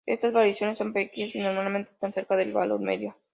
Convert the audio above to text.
Estas variaciones son pequeñas y normalmente están cerca del valor medio.